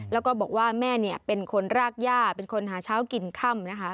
แล้วก็บอกว่าแม่เนี่ยเป็นคนรากย่าเป็นคนหาเช้ากินค่ำนะคะ